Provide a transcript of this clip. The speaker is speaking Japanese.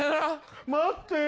待ってよ。